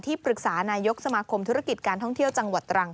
ปรึกษานายกสมาคมธุรกิจการท่องเที่ยวจังหวัดตรัง